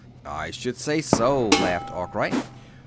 "I should say so," laughed Arkwright.